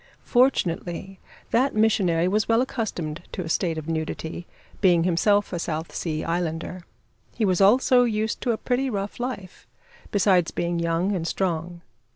Fortunately, that missionary was well accustomed to a state of nudity, being himself a South Sea islander. He was also used to a pretty rough life, besides being young and strong.